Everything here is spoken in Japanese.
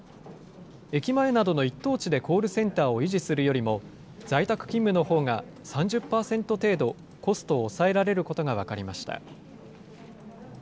駅前などの一等地でコールセンターを維持するよりも、在宅勤務のほうが３０％程度、コストを抑えられることが分かりました。